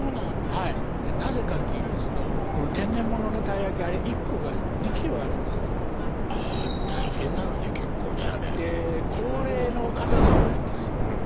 はいなぜかといいますと天然モノのたい焼きあれ１個が２ｋｇあるんですねあ大変なのね結構ねあれ高齢の方が多いんですよ